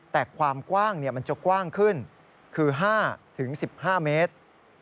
แต่ความกว้างมันจะกว้างขึ้นคือ๕๑๕เมตร